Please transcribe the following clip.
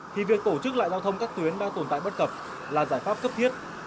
thì việc tổ chức lại giao thông các tuyến đang tồn tại bất cập là giải pháp cấp thiết